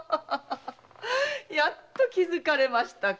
やっと気づかれましたか。